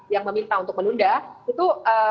yang meminta untuk menunda itu